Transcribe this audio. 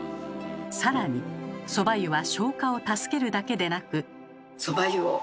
更にそば湯は消化を助けるだけでなく。